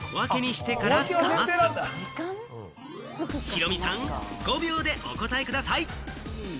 ヒロミさん、５秒でお答えください。